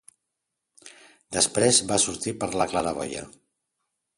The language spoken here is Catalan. Després va sortir per la claraboia.